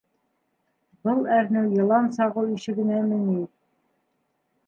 Был әрнеү йылан сағыу ише генәме ни?..